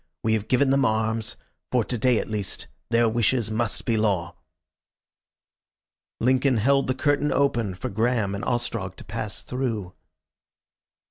"We have given them arms. For to day at least their wishes must be law." Lincoln held the curtain open for Graham and Ostrog to pass through....